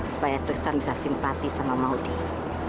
supaya tuster bisa simpati sama maudie